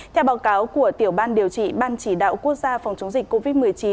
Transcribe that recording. theo báo cáo của tiểu ban điều trị ban chỉ đạo quốc gia phòng chống dịch covid một mươi chín